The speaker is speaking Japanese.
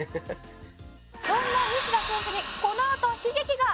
「そんな西田選手にこのあと悲劇が！」